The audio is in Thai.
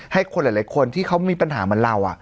ให้คนหลายคนที่เขามีปัญหาเหมือนเรา